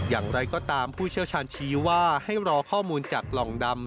อย่างไรก็ตามผู้เชี่ยวชาญชี้ว่าให้รอข้อมูลจากกล่องดำ